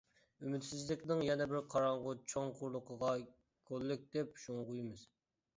ئۈمىدسىزلىكنىڭ يەنە بىر قاراڭغۇ چوڭقۇرلۇقىغا كوللېكتىپ شۇڭغۇيمىز.